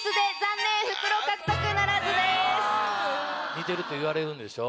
似てるって言われるんでしょ？